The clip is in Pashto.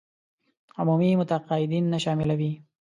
عمومي متقاعدين نه شاملوي.